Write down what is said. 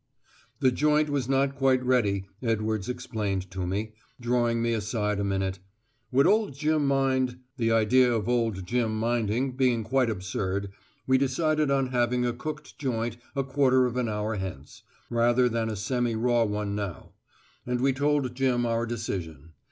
The joint was not quite ready, Edwards explained to me, drawing me aside a minute; would old Jim mind? The idea of old Jim minding being quite absurd, we decided on having a cooked joint a quarter of an hour hence, rather than a semi raw one now; and we told Jim our decision.